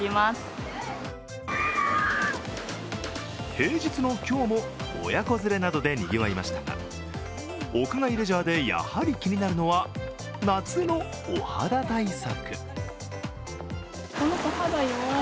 平日の今日も親子連れなどでにぎわいましたが屋外レジャーでやはり気になるのは夏のお肌対策。